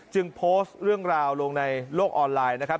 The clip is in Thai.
โพสต์เรื่องราวลงในโลกออนไลน์นะครับ